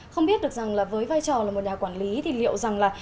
không biết được rằng là với vai trò là một nhà quản lý thì liệu rằng là